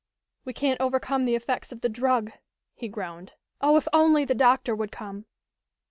"We can't overcome the effects of the drug," he groaned. "Oh, if only the doctor would come!"